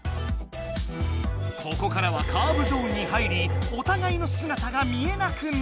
ここからはカーブゾーンに入りおたがいのすがたが見えなくなる。